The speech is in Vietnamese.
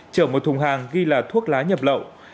chở một thùng hàng ghi là thuốc lá nhập lậu